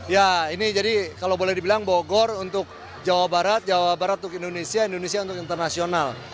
ya ini jadi kalau boleh dibilang bogor untuk jawa barat jawa barat untuk indonesia indonesia untuk internasional